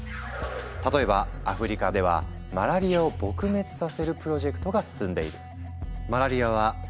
例えばアフリカではマラリアを撲滅させるプロジェクトが進んでいる。